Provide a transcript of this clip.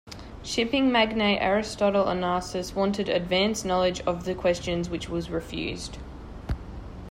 Shipping magnate Aristotle Onassis wanted advance knowledge of the questions which was refused.